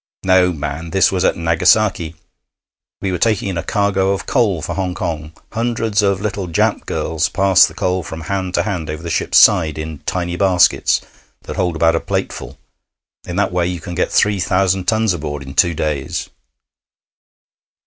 'No, man. This was at Nagasaki. We were taking in a cargo of coal for Hong Kong. Hundreds of little Jap girls pass the coal from hand to hand over the ship's side in tiny baskets that hold about a plateful. In that way you can get three thousand tons aboard in two days.'